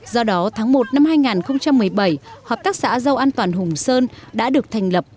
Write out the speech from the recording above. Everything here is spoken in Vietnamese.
do đó tháng một năm hai nghìn một mươi bảy hợp tác xã rau an toàn hùng sơn đã được thành lập